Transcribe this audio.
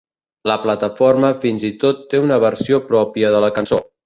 La plataforma fins i tot té una versió pròpia de la cançó.